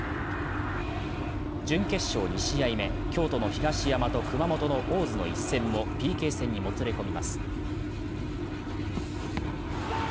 準決勝２試合目、京都の東山と熊本の大津の一戦もＰＫ戦にもつれ込みます。